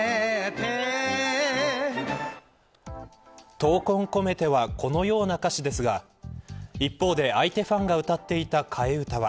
闘魂こめてはこのような歌詞ですが一方で相手ファンが歌っていた替え歌は。